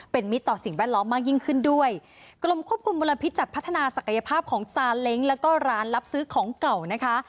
เป็นมิตรต่อสิ่งแวดล้อมมากยิ่งขึ้นด้วยกรมควบคุมมลพิษจัดพัฒนาศักยภาพของซาเล้งแล้วก็ร้านรับซื้อของเก่านะคะ